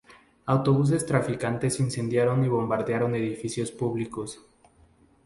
Autobuses traficantes incendiaron y bombardearon edificios públicos.